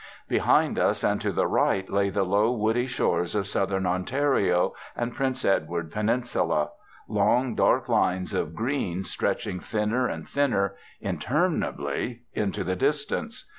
Behind us and to the right lay the low, woody shores of Southern Ontario and Prince Edward Peninsula, long dark lines of green, stretching thinner and thinner, interminably, into the distance.